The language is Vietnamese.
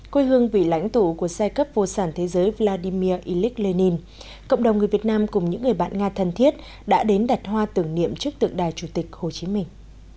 quê hương vị lãnh tụ của giai cấp vô sản thế giới vladimir ilyich lenin cộng đồng người việt nam cùng những người bạn nga thân thiết đã đến đặt hoa tưởng niệm trước tượng đài chủ tịch hồ chí minh